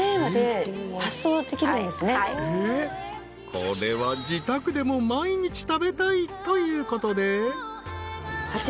［これは自宅でも毎日食べたいということで］